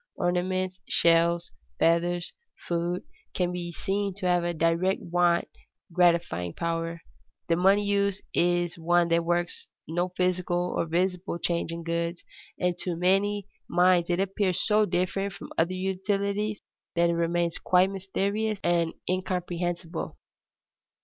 Ornaments, shells, feathers, food can be seen to have a direct want gratifying power. The money use is one that works no physical or visible change in goods, and to many minds it appears so different from other utilities that it remains quite mysterious and incomprehensible.